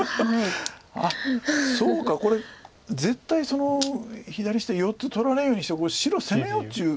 あっそうかこれ絶対左下４つ取られんようにしてこれ白攻めようっていう。